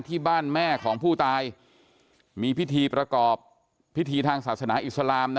ที่บ้านแม่ของผู้ตายมีพิธีประกอบพิธีทางศาสนาอิสลาม